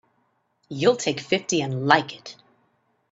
You'll take fifty and like it!